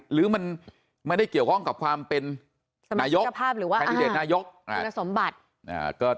หรือมันไม่ได้เกี่ยวข้องกับความเป็นนายกคันติเดชนายก